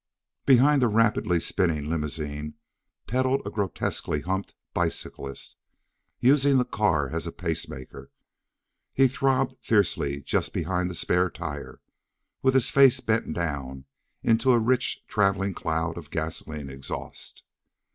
Behind a rapidly spinning limousine pedalled a grotesquely humped bicyclist, using the car as a pacemaker. He throbbed fiercely just behind the spare tire, with his face bent down into a rich travelling cloud of gasoline exhaust.